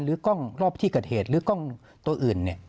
กล้องรอบที่เกิดเหตุหรือกล้องตัวอื่น